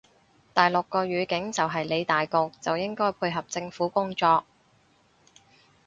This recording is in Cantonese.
大陸個語境就係理大局就應該配合政府工作